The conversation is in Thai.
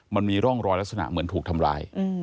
มันมีร่องรอยลักษณะเหมือนถูกทำร้าย